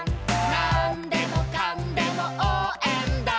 「なんでもかんでもおうえんだ！！」